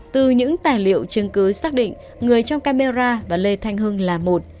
từ những tài liệu chứng cứ xác định người trong camera và lê thanh hưng là một